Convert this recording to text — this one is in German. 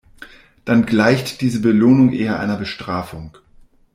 Dann gleicht diese Belohnung eher einer Bestrafung.